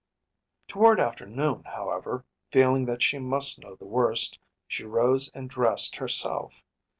Toward afternoon, however, feeling that she must know the worst, she rose and dressed herself.